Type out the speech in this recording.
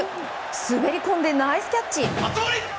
滑り込んで、ナイスキャッチ！